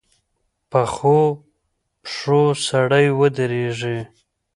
پخو پښو سړی ودرېږي